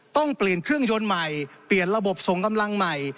ต้องเปลี่ยนเครื่องยนต์ใหม่เปลี่ยนระบบส่งกำลังใหม่